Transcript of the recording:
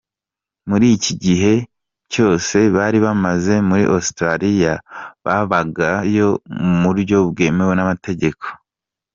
Muri iki gihe cyose bari bamaze muri Australia babagayo mu buryo bwemewe n’amategeko.